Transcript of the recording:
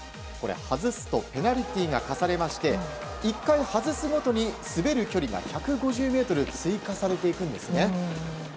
これ、外すとペナルティーが課されまして１回外すごとに滑る距離が１５０ｍ追加されていくんです。